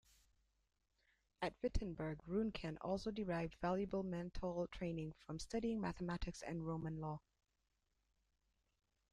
At Wittenberg, Ruhnken also derived valuable mental training from studying mathematics and Roman law.